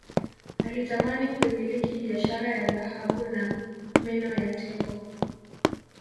Alitamani kuimiliki biashara ya dhahabu na meno ya tembo